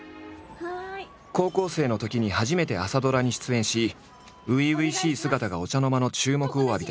高校生のときに初めて朝ドラに出演し初々しい姿がお茶の間の注目を浴びた。